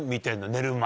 寝る前。